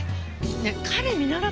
ねえ彼見習ったら？